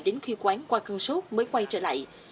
đến khi quán qua cân số mới quay trở lại